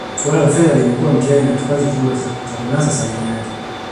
Suala la fedha limekuwa mtihani na kikwazo kikubwa cha kunasa saini yake